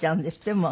もう。